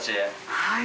はい。